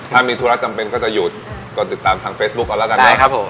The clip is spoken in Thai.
ถ้ามีธุระจำเป็นก็จะหยุดก็ติดตามทางเฟสบุ๊คเราแล้วได้เนอะได้ครับผม